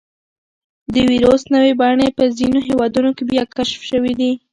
د وېروس نوې بڼې په ځینو هېوادونو کې بیا کشف شوي دي.